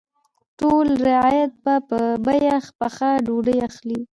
ټول رعیت به په بیه پخه ډوډۍ اخلي.